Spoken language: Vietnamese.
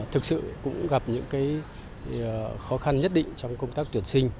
thực sự cũng gặp những khó khăn nhất định trong công tác tuyển sinh